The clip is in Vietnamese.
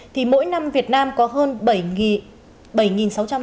thì mỗi năm việt nam có hơn bảy người đàn ông